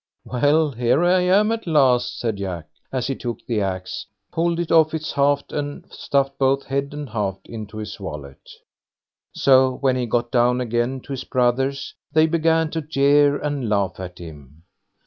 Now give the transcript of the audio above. "Well, here I am at last", said Jack, as he took the axe, pulled it off its haft, and stuffed both head and haft into his wallet. So when he got down again to his brothers, they began to jeer and laugh at him.